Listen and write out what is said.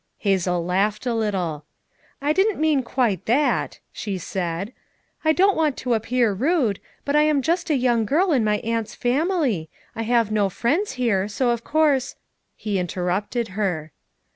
Hazel laughed a little. "I didn't mean quite that," she said. "I don't want to appear rude, but I am just a young girl in my aunt's family; I have no friends here, so of course —" he interrupted her.